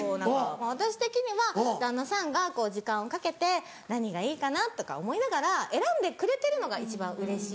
私的には旦那さんが時間をかけて何がいいかなとか思いながら選んでくれてるのが一番うれしい。